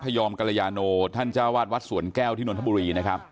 พระยอมกัลยาโนท่านจาวาสวัสดิ์สวนแก้วที่นวนธบุรุษ